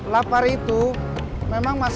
lapar itu memang masalah